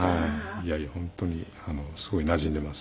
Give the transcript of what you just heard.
いやいや本当にすごいなじんでます。